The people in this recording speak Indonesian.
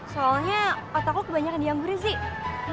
soalnya otak lo kebanyakan diambil sih